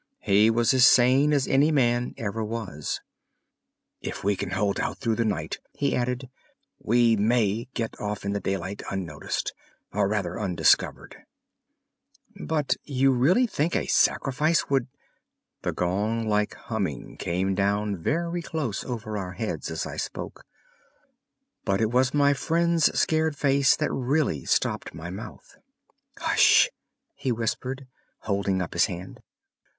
He was as sane as any man ever was. "If we can hold out through the night," he added, "we may get off in the daylight unnoticed, or rather, undiscovered." "But you really think a sacrifice would—" That gong like humming came down very close over our heads as I spoke, but it was my friend's scared face that really stopped my mouth. "Hush!" he whispered, holding up his hand.